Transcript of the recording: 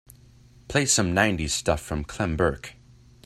Play some nineties stuff from Clem Burke.